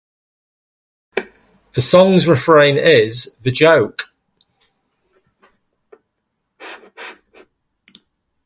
The song's refrain is, The Joke!